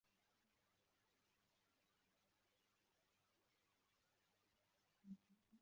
Imbwa nto ikina ningingo nini cyane